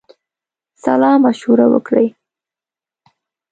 سالامشوره وکړي.